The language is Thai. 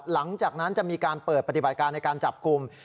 หลังจากนั้นจะมีการเปิดปฏิบัติการในการจับกลุ่ม